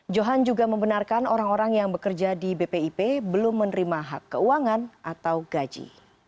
johan juga membenarkan orang orang yang bekerja di bpip belum menerima hak keuangan atau gaji